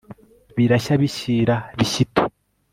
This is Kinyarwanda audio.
birashya bishyira bishyito